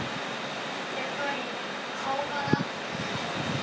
やっぱりかおかな。